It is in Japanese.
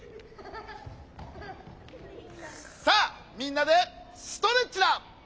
さあみんなでストレッチだ！